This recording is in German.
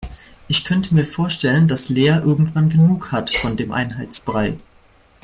Ich könnte mir vorstellen, dass Lea irgendwann genug hat von dem Einheitsbrei.